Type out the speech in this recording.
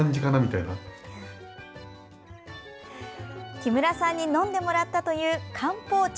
木村さんに飲んでもらったという漢方茶